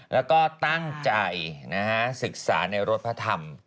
แล้วก็ตั้งใจศึกษาในรถพระธรรม